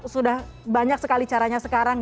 sudah banyak sekali caranya sekarang